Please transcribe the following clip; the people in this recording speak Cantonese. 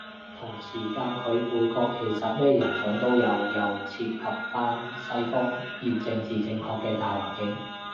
同時間佢配角其實咩人種都有，又切合返西方要政治正確嘅大環境